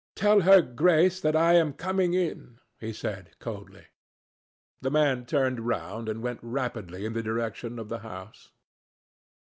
"Tell her Grace that I am coming in," he said, coldly. The man turned round and went rapidly in the direction of the house.